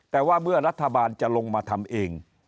แต่ว่าเมื่อรัฐบาลจะลงมาทำเอง